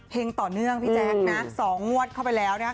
ต่อเนื่องพี่แจ๊คนะ๒งวดเข้าไปแล้วนะคะ